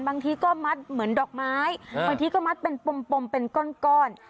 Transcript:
บางทีก็มัดเหมือนดอกไม้บางทีก็มัดเป็นปมเป็นก้อน